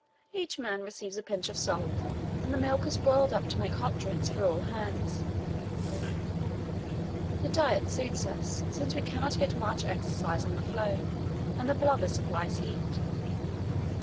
"Each man receives a pinch of salt, and the milk is boiled up to make hot drinks for all hands. The diet suits us, since we cannot get much exercise on the floe and the blubber supplies heat.